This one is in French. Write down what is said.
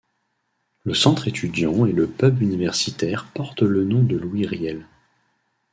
Le centre étudiant et le pub universitaire portent le nom de Louis Riel.